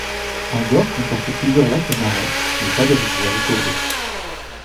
Angaur compte plusieurs lacs et marais mais pas de rivières et cours d'eau.